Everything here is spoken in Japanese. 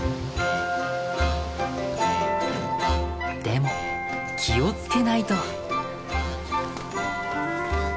でも気を付けないと。